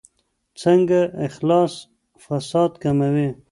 څنګه اخلاص فساد کموي؟